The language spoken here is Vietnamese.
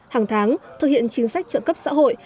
hàng tháng thực hiện chính sách trợ cấp xã hội